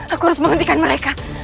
aku harus menghentikan mereka